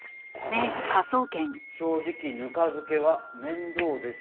「正直ぬか漬けは面倒です」